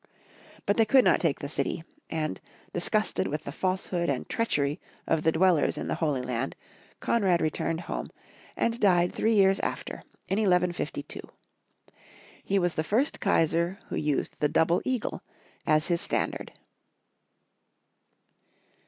But they could not take the city, and, disgusted with the falsehood and treachery of the dwellers in the Holy Land, Konrad returned home, and died three years after, in 1152. He was the first Kaisar who used the double eagle as his standard.